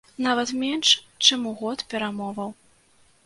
Нават менш, чым у год перамоваў.